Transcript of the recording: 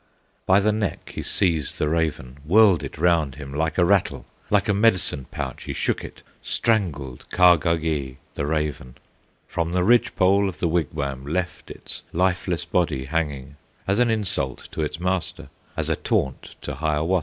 By the neck he seized the raven, Whirled it round him like a rattle, Like a medicine pouch he shook it, Strangled Kahgahgee, the raven, From the ridge pole of the wigwam Left its lifeless body hanging, As an insult to its master, As a taunt to Hiawatha.